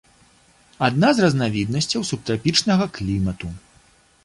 Адна з разнавіднасцяў субтрапічнага клімату.